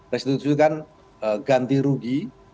restitusi kan ganti rugi